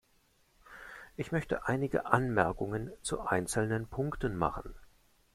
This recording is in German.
Ich möchte einige Anmerkungen zu einzelnen Punkten machen.